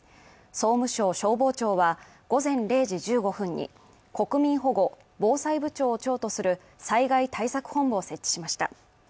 総務省消防庁は午前０時１５分に、国民保護防災部長を長とする災害対策本部を設置しました。